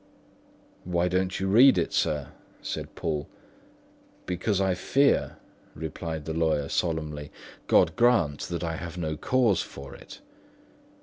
"Why don't you read it, sir?" asked Poole. "Because I fear," replied the lawyer solemnly. "God grant I have no cause for it!"